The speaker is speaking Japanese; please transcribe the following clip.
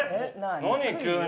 何、急に。